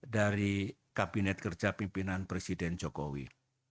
dari kabinet kerja pimpinan presiden jokowi